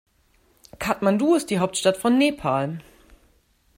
Kathmandu ist die Hauptstadt von Nepal.